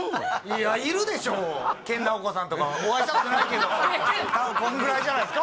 いやいるでしょうお会いしたことないけど多分こんくらいじゃないですか？